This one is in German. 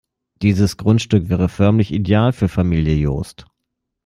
Dieses Grundstück wäre förmlich ideal für Familie Jost.